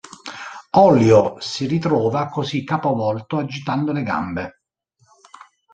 Ollio si ritrova così capovolto agitando le gambe.